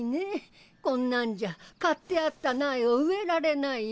こんなんじゃ買ってあった苗を植えられないよ。